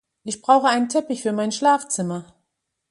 Ich brauche einen Teppich für mein Schlafzimmer.